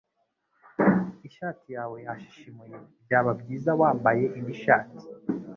Ishati yawe yashishimuye Byaba byiza wambaye indi shati